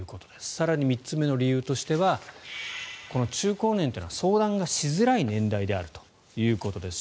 更に３つ目の理由としては中高年というのは相談がしづらい年代であるということです。